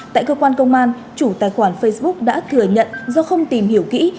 tại cơ quan công an chủ tài khoản facebook đã thừa nhận do không tìm hiểu kỹ